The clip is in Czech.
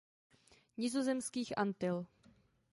Nizozemských Antil.